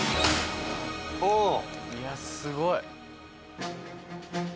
いやすごい。